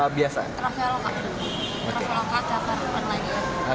travel online nggak perlu pernah lagi